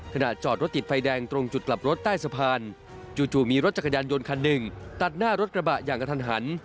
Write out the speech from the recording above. จอดรถติดไฟแดงตรงจุดกลับรถใต้สะพานจู่มีรถจักรยานยนต์คันหนึ่งตัดหน้ารถกระบะอย่างกระทันหัน